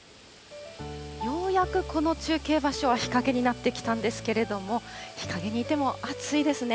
ようやくこの中継場所は日陰になってきたんですけれども、日陰にいても暑いですね。